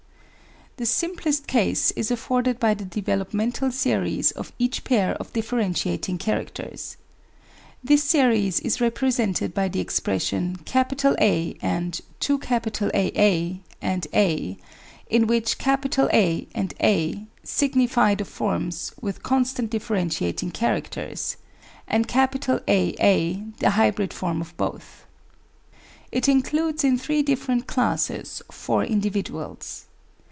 The simplest case is afforded by the developmental series of each pair of differentiating characters. This series is repre sented by the expression A f %Aa + a, in which A and a signify the forms with constant differentiating characters, and Aa the hybrid form of both. It includes in three different classes four individuals.